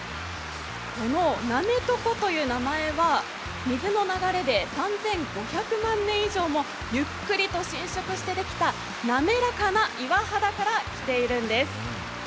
滑床という名前は水の流れで３５００万年以上もゆっくりと浸食してできた滑らかな岩肌からきているんです。